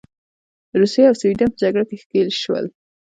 روسیې او سوېډن په جګړه کې ښکیل شول.